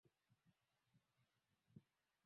ka elfu moja miakenda na sabini na nne